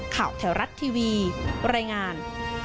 ข่าวแถวรัฐทีวีรายงาน